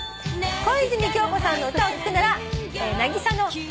「小泉今日子さんの歌を聴くなら」